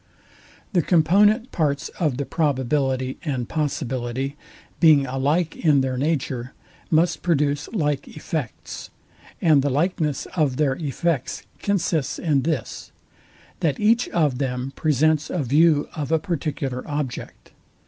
The component parts of the probability and possibility, being alike in their nature, must produce like effects; and the likeness of their effects consists in this, that each of them presents a view of a particular object.